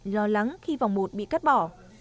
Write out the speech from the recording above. lo lắng khi vòng một bị cắt bỏ